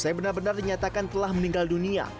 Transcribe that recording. usai benar benar dinyatakan telah meninggal dunia